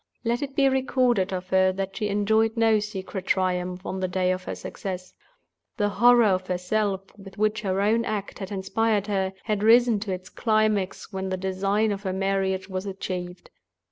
Let it be recorded of her that she enjoyed no secret triumph on the day of her success. The horror of herself with which her own act had inspired her, had risen to its climax when the design of her marriage was achieved.